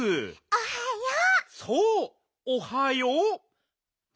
おはよう！